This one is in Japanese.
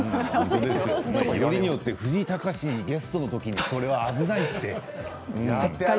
よりによって藤井隆がゲストの時は危ないって。